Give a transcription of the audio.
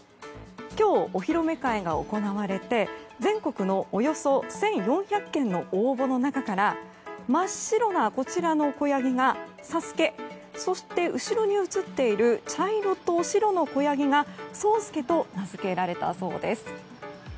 今日、お披露目会が行われて全国のおよそ１４００件の応募の中から真っ白な子ヤギが佐助そして後ろに映っている茶色と白の子ヤギが草助と名付けられたそうです。